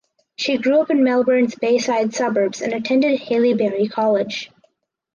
She grew up in Melbourne’s bayside suburbs and attended Haileybury College.